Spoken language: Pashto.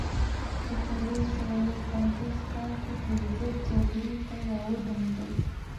په څلور سوه یو پنځوس کال کې پرضد جګړې ته را ودانګل.